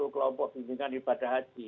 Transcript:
kelompok bimbingan ibadah haji